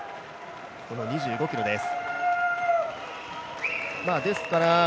この２５ｋｍです。